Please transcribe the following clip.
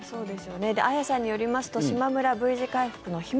あやさんによりますとしまむらＶ字回復の秘密